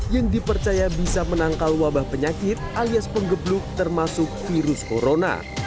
yang dipercaya bisa menangkal wabah penyakit alias penggebluk termasuk virus corona